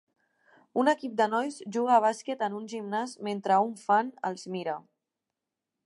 Un equip de nois juga a bàsquet en un gimnàs mentre un fan els mira.